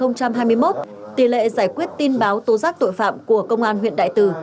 năm hai nghìn hai mươi một tỷ lệ giải quyết tin báo tố giác tội phạm của công an huyện đại từ